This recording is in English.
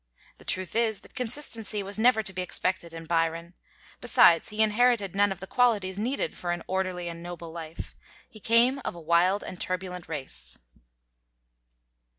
The truth is, that consistency was never to be expected in Byron. Besides, he inherited none of the qualities needed for an orderly and noble life. He came of a wild and turbulent race.